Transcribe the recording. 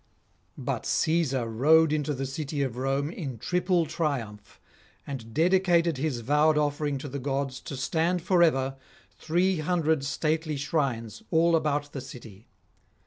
But Caesar rode into the city of Rome in triple triumph, and dedicated his vowed [716 731]offering to the gods to stand for ever, three hundred stately shrines all about the city.